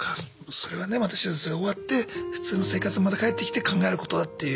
それはねまた手術が終わって普通の生活にまた帰ってきて考えることだっていう。